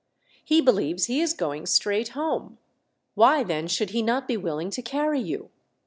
He believes he is going straight home. Why, then, should he not be willing to carry you